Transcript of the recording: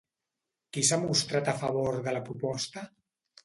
Qui s'ha mostrat a favor de la proposta?